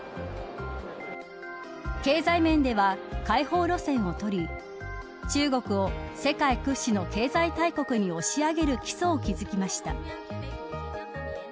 経済面では開放路線をとり中国を世界屈指の経済大国に押し上げる基礎を築きました。